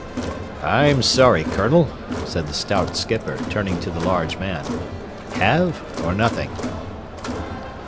"I'm sorry, colonel," said the stout skipper, turning to the large man. "Halve or nothing."